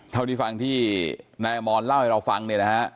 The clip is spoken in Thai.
เท่าที่ฟังที่นายอมรเล่าให้เราฟังเนี่ยนะฮะ